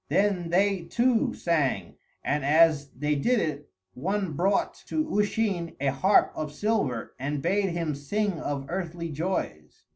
Then they too sang, and as they did it, one brought to Usheen a harp of silver and bade him sing of earthly joys.